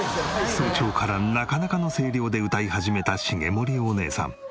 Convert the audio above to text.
早朝からなかなかの声量で歌い始めた茂森おねえさん。